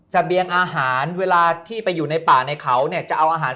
เบียงอาหารเวลาที่ไปอยู่ในป่าในเขาเนี่ยจะเอาอาหาร